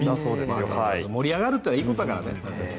盛り上がるっていうのはいいことだからね。